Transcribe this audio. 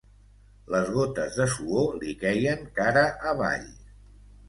Les gotes de suor li queien cara avall.